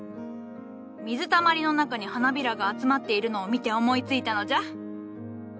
水たまりの中に花びらが集まっているのを見て思いついたのじゃ！